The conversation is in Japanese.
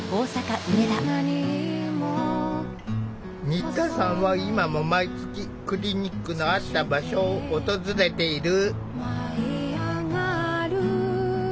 新田さんは今も毎月クリニックのあった場所を訪れている。